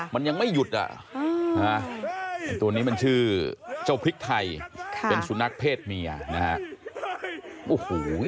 มันยังไม่หยุดอ่ะไอ้ตัวนี้มันชื่อเจ้าพริกไทยเป็นสุนัขเพศเมียนะฮะโอ้โห